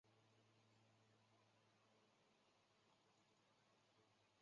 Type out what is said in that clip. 茶党运动的参与者坚决否认了伪草根性的指控。